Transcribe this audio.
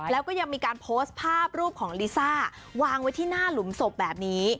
แล้วก็ยังมีการโพสต์ภาพรูปของลิซ่าวางไว้ที่หน้าหลุมศพแบบนี้